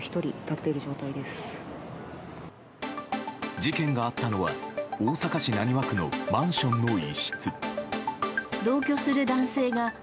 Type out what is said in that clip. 事件があったのは大阪市浪速区のマンションの一室。